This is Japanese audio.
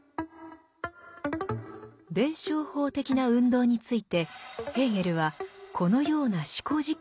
弁証法的な運動についてヘーゲルはこのような思考実験を論じています。